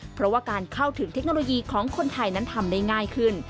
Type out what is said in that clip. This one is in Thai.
เพราะว่าการเข้าถึงเทคโนโลยีของคนไทยนั้นทำได้ง่ายขึ้น